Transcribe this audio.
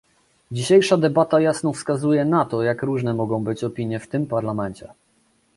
Dzisiejsza debata jasno wskazuje na to, jak różne mogą być opinie w tym Parlamencie